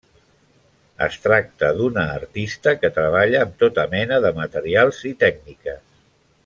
Es tracta d’una artista que treballa amb tota mena de materials i tècniques.